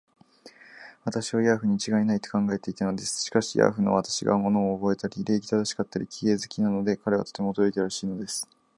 私をヤーフにちがいない、と考えていたのです。しかし、ヤーフの私が物をおぼえたり、礼儀正しかったり、綺麗好きなので、彼はとても驚いたらしいのです。